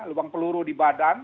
lubang peluru di badan